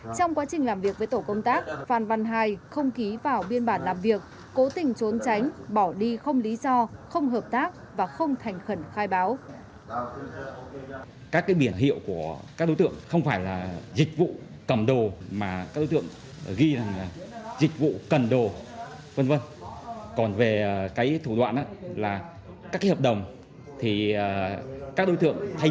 trong quá trình làm việc với tổ công tác phan văn hai không ký vào biên bản làm việc cố tình trốn tránh bỏ đi không lý do không hợp tác và không thành khẩn khai báo